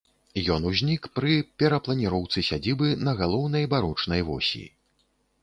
Ён узнік пры перапланіроўцы сядзібы на галоўнай барочнай восі.